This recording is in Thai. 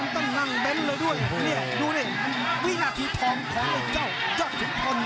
ดูนี่วินาทีพร้อมพร้อมไอ้เจ้ายอดสุดทน